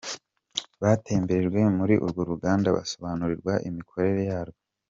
Batemberejwe muri urwo ruganda basobanurirwa imikorere yarwo.